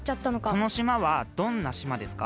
この島はどんな島ですか？